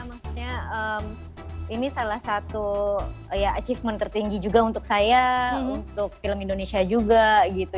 maksudnya ini salah satu achievement tertinggi juga untuk saya untuk film indonesia juga gitu